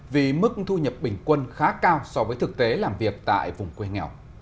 vì mức thu nhập bình quân khá cao so với thực tế làm việc tại vùng quê nghèo